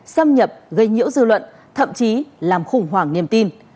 xâm nhập gây nhiễu dư luận thậm chí làm khủng hoảng niềm tin